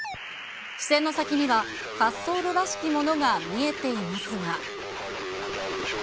視線の先には、滑走路らしきものが見えていますが。